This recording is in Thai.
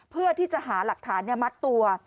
เพื่อที่จะหาหลักฐานมัดตัว